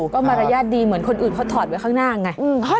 ก็มารยาทดีเหมือนคนอื่นเขาถอดไว้ข้างหน้าไง